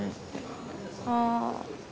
ああ。